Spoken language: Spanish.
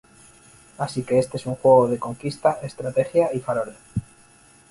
Así que este es un juego de conquista, estrategia y farol.